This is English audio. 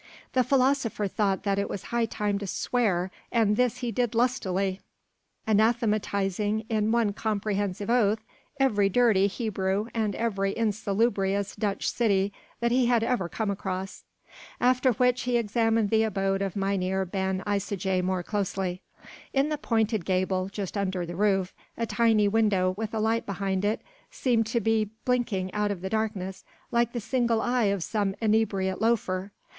The philosopher thought that it was high time to swear, and this he did lustily, anathematizing in one comprehensive oath every dirty Hebrew and every insalubrious Dutch city that he had ever come across. After which he examined the abode of Mynheer Ben Isaje more closely. In the pointed gable, just under the roof, a tiny window with a light behind it seemed to be blinking out of the darkness like the single eye of some inebriate loafer.